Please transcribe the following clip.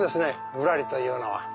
「ぶらり」というのは。